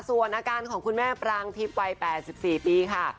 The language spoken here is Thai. ส่วนอาการของคุณแม่ปรางทิพย์วัย๘๔ปีค่ะ